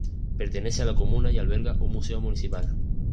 Pertenece a la comuna y alberga un museo municipal.